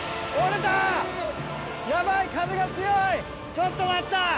ちょっと待った！